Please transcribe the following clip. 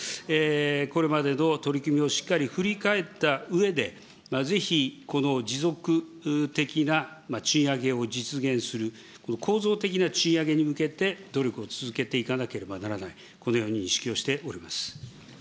これまでの取り組みをしっかり振り返ったうえで、ぜひこの持続的な賃上げを実現する、この構造的な賃上げに向けて努力を続けていかなければならない、このように認識をしております。